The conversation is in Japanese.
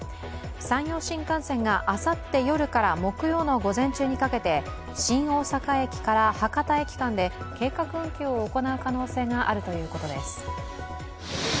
山陽新幹線があさって夜から木曜の午前中にかけて新大阪駅から博多駅間で計画運休を行う可能性があるということです。